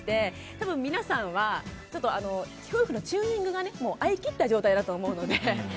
多分、皆さんは夫婦のチューニングが合い切った状態だと思うので。